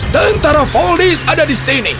tentara voldies ada di sini